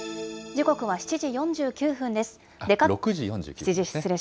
時刻は６時４９分です。